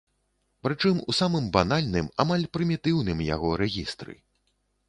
Прычым у самым банальным, амаль прымітыўным яго рэгістры.